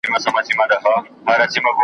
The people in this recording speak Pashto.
د کوترو له کهاله، په یوه شان یو .